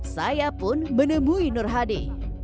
saya pun menemui nur hadi